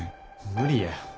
無理や。